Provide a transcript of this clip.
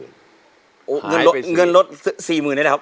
เงินลด๔๐๐๐๐ได้เลยครับ